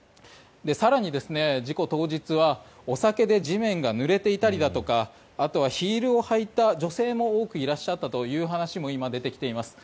更に、事故当日はお酒で地面がぬれていたりだとかあとはヒールを履いた女性も多くいらっしゃったという話も今、出てきています。